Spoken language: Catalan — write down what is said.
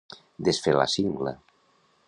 Desfer la cingla.